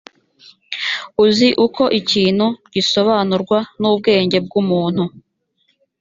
uzi uko ikintu gisobanurwa n’ubwenge bw’umuntu